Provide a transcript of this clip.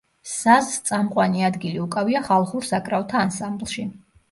საზს წამყვანი ადგილი უკავია ხალხურ საკრავთა ანსამბლში.